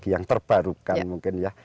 yang terbarukan mungkin ya